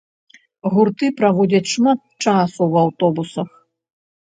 Гурты праводзяць шмат часу ў аўтобусах.